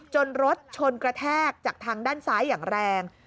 รถชนกระแทกจากทางด้านซ้ายอย่างแรง